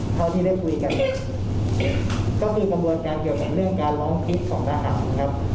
เท่าที่ได้คุยกันก็คือกระบวนการเกี่ยวกับเรื่องการร้องคิดของทหารครับ